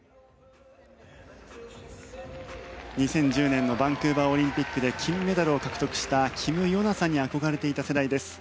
２０１０年のバンクーバーオリンピックで金メダルを獲得したキム・ヨナさんに憧れていた世代です。